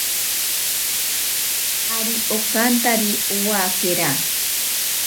Ari okantari owakera.